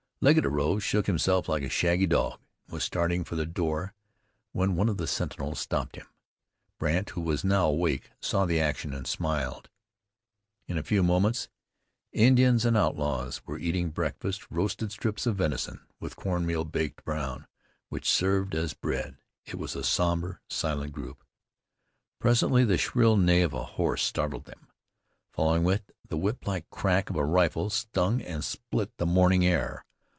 Legget arose, shook himself like a shaggy dog, and was starting for the door when one of the sentinels stopped him. Brandt, who was now awake, saw the action, and smiled. In a few moments Indians and outlaws were eating for breakfast roasted strips of venison, with corn meal baked brown, which served as bread. It was a somber, silent group. Presently the shrill neigh of a horse startled them. Following it, the whip like crack of a rifle stung and split the morning air.